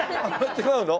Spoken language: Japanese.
違うの？